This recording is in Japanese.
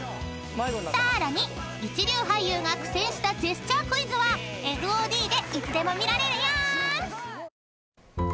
［さらに一流俳優が苦戦したジェスチャークイズはＦＯＤでいつでも見られるよ］